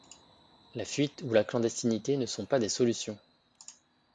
La fuite ou la clandestinité ne sont pas des solutions.